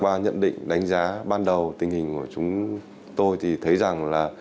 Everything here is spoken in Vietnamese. qua nhận định đánh giá ban đầu tình hình của chúng tôi thì thấy rằng là